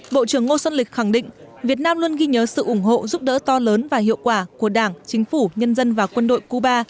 bộ trưởng ngô xuân lịch khẳng định việt nam luôn ghi nhớ sự ủng hộ giúp đỡ to lớn và hiệu quả của đảng chính phủ nhân dân và quân đội cuba